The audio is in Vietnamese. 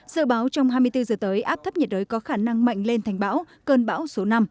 dự báo trong hai mươi bốn giờ tới áp thấp nhiệt đới có khả năng mạnh lên thành bão cơn bão số năm